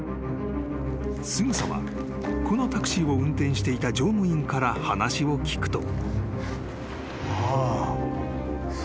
［すぐさまこのタクシーを運転していた乗務員から話を聞くと］